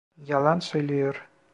Yalan söylüyor.